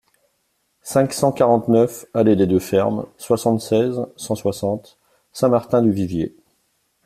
cinq cent quarante-neuf allée des Deux Fermes, soixante-seize, cent soixante, Saint-Martin-du-Vivier